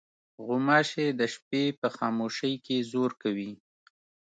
غوماشې د شپې په خاموشۍ کې زور کوي.